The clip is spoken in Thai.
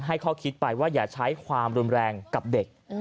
ข้อคิดไปว่าอย่าใช้ความรุนแรงกับเด็ก